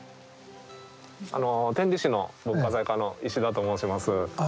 天理市の文化財課の石田と申します。